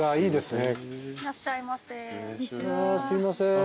いらっしゃいませ。